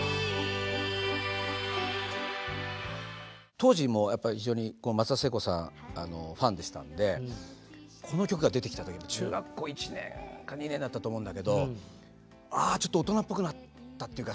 当時もやっぱり非常に松田聖子さんファンでしたんでこの曲が出てきた時中学校１年か２年だったと思うんだけどちょっと大人っぽくなったっていうか